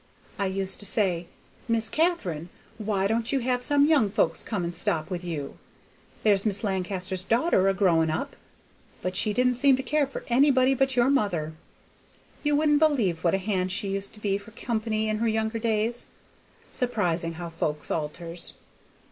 I used to say, 'Miss Katharine, why don't you have some young folks come and stop with you? There's Mis' Lancaster's daughter a growing up'; but she didn't seem to care for nobody but your mother. You wouldn't believe what a hand she used to be for company in her younger days. Surprisin' how folks alters.